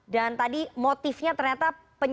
dan tadi motifnya ternyata